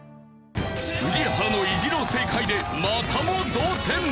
宇治原の意地の正解でまたも同点！